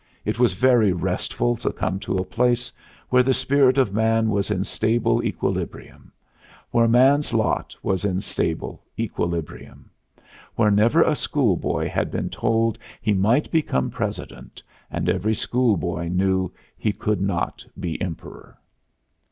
It was very restful to come to a place where the spirit of man was in stable equilibrium; where man's lot was in stable equilibrium; where never a schoolboy had been told he might become President and every schoolboy knew he could not be Emperor.